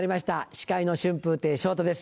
司会の春風亭昇太です。